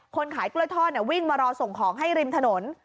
ขายกล้วยทอดวิ่งมารอส่งของให้ริมถนน